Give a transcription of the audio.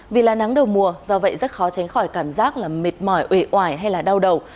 vì là nắng đầu mùa do vậy rất khó tránh khỏi cảm giác mệt mỏi ủe ỏi hay đau đầu